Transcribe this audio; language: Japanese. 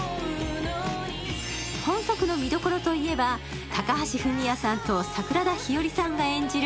本作の見どころといえば、高橋文哉さんと桜田ひよりさんが演じる